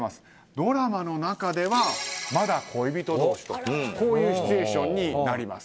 ドラマの中ではまだ恋人同士というこういうシチュエーションになります。